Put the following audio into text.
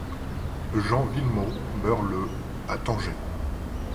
Jean Villemot meurt le à Tanger.